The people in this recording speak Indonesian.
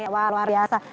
wah luar biasa